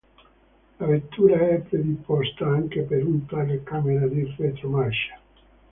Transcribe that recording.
La vettura è predisposta anche per una telecamera di retromarcia.